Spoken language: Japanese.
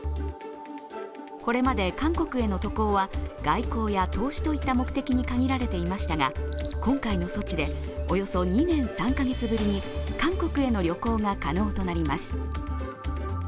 これまで韓国への渡航は外交や投資といった目的に限られていましたが今回の措置でおよそ２年３カ月ぶりに、韓国への旅行が可能になります。